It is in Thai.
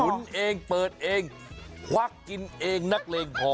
เองเปิดเองควักกินเองนักเลงพอ